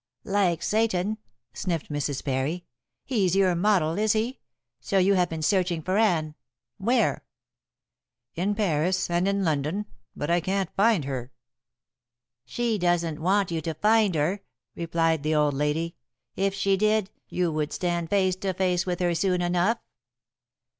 "Like Satan," sniffed Mrs. Parry. "He's your model, is he? So you have been searching for Anne. Where?" "In Paris and in London. But I can't find her." "She doesn't want you to find her," replied the old lady. "If she did, you would stand face to face with her soon enough."